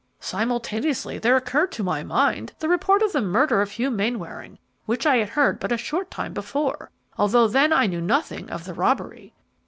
Simultaneously there occurred to my mind the report of the murder of Hugh Mainwaring, which I had heard but a short time before, although then I knew nothing of the robbery.